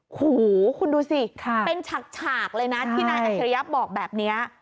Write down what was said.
โหคุณดูสิค่ะเป็นฉากฉากเลยนะที่นายอธิรยัพย์บอกแบบเนี้ย